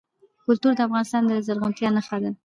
کلتور د افغانستان د زرغونتیا نښه ده.